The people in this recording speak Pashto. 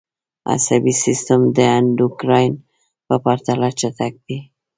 عصبي سیستم د اندوکراین په پرتله چټک دی